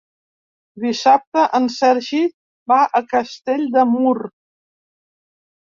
Dissabte en Sergi va a Castell de Mur.